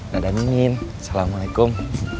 dadah mimin assalamualaikum